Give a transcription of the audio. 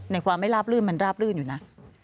ความไม่ลาบลื่นมันราบลื่นอยู่นะ